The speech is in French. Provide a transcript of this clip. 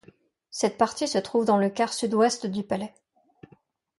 Cette partie se trouve dans le quart sud-ouest du palais.